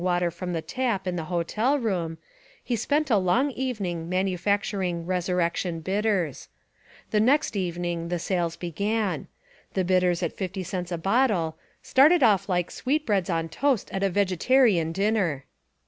Henry water from the tap in the hotel room, he spent a long evening manufacturing Resurrection Bit ters. The next evening the sales began. The bitters at fifty cents a bottle "started off like sweetbreads on toast at a vegetarian dinner."